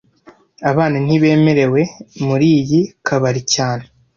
Abana ntibemerewe muriyi kabari cyane